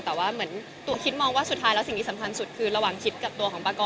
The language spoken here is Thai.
แต่ว่าเหมือนตัวคิดมองว่าสุดท้ายแล้วสิ่งที่สำคัญสุดคือระหว่างคิดกับตัวของปากร